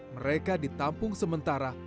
mereka ditampung sementara